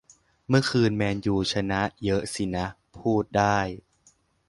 เมื่อคืนแมนยูชนะเยอะสินะ พูดได้